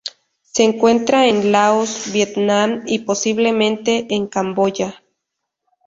Se encuentra en Laos, Vietnam y, posiblemente en Camboya.